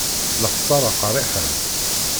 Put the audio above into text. D lexsara qerriḥen.